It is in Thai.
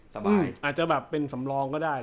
สบายอาจจะแบบเป็นสำรองก็ได้